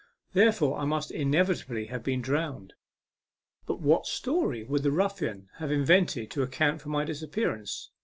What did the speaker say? Therefore I must inevitably have been drowned. And what story would the ruffian have invented to account for my disappearance